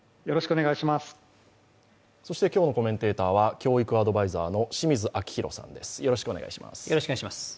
そして、今日のコメンテーターは教育アドバイザーの清水章弘さんです。